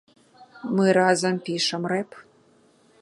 Мы разам пішам рэп.